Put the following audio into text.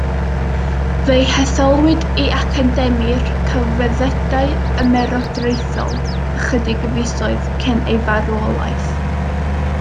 Fe'i hetholwyd i Academi'r Celfyddydau Ymerodraethol ychydig fisoedd cyn ei farwolaeth.